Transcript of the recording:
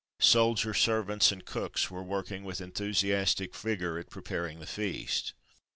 Soldier servants and cooks were working with enthusiastic vigour at preparing the feast.